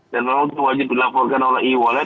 dan memang itu wajib dilaporkan oleh e wallet